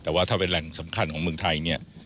แต่ว่าถ้าเป็นแหล่งสำคัญของเมืองไทยเนี่ย